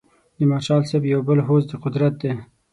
د مارشال صاحب یو بل هوس د قدرت دی.